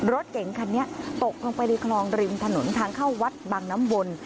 รถเก๋งคันนี้ตกลงไปในคลองริมถนนทางเข้าวัดบางน้ำวน